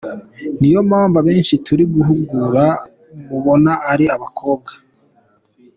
Niyo mpamvu abenshi turi guhugura mubona ari abakobwa”.